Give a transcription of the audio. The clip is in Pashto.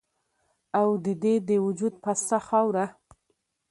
او د دې د وجود پسته خاوره